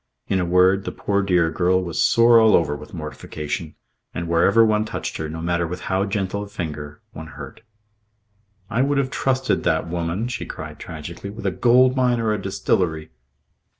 In a word, the poor dear girl was sore all over with mortification, and wherever one touched her, no matter with how gentle a finger, one hurt. "I would have trusted that woman," she cried tragically, "with a gold mine or a distillery."